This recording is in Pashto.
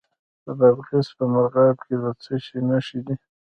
د بادغیس په مرغاب کې د څه شي نښې دي؟